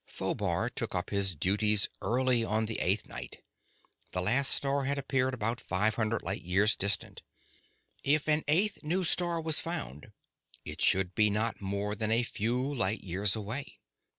Phobar took up his duties early on the eighth night. The last star had appeared about five hundred light years distant. If an eighth new star was found, it should be not more than a few light years away.